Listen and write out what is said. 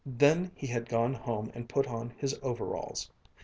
Then he had gone home and put on his overalls.